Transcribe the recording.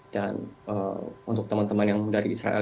dan untuk teman teman dari israel